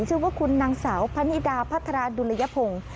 ชัยว่าคุณนางสาวพันธาภัฒราดุลยภง